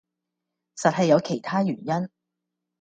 實係有其他原因